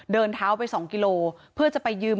เดินเท้าไป๒กิโลเพื่อจะไปยืม